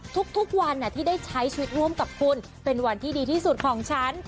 ทุกวันที่ได้ใช้ชีวิตร่วมกับคุณเป็นวันที่ดีที่สุดของฉัน